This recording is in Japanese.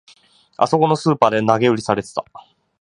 あそこのスーパーで投げ売りされてた